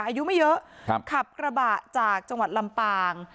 อายุไม่เยอะขับกระบะจากจังหวัดลำปาง